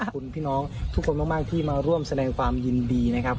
คุณพี่น้องทุกคนมากที่มาร่วมแสดงความยินดีนะครับ